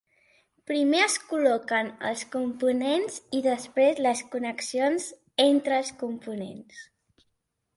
Primer es col·loquen els components i després les connexions entre els components.